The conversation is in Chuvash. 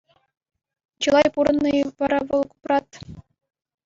Чылай пурӑннӑ-и вара вӑл Купрат?